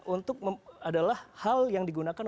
untuk adalah hal yang digunakan